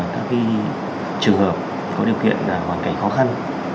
trường hợp có điều kiện là hoàn cảnh khó khăn